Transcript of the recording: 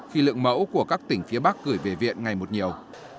khi lượng mẫu của các tỉnh phía bắc gửi về viện ngày một nhiều